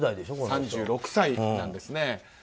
３６歳なんですね。